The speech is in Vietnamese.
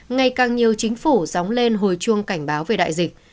ngày càng nhiều chính phủ dóng lên hồi chuông cảnh báo về đại dịch